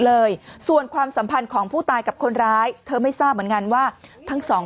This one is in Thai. เลยส่วนความสัมพันธ์ของผู้ตายกับคนร้ายเธอไม่ทราบเหมือนกันว่าทั้งสอง